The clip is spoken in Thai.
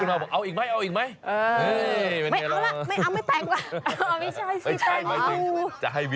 ร้องเพลงเป็นไง